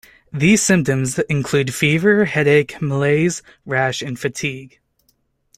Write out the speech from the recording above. These symptoms include fever, headache, malaise, rash and fatigue.